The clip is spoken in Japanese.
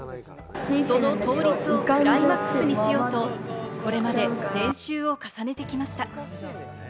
その倒立をクライマックスにしようと、これまで練習を重ねてきました。